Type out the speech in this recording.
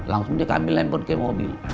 langsung dia ambil handphone ke mobil